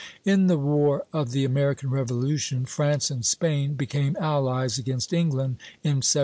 In the war of the American Revolution, France and Spain became allies against England in 1779.